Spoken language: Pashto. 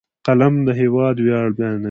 قلم د هېواد ویاړ بیانوي